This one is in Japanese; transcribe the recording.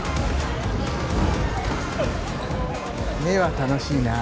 目は楽しいな。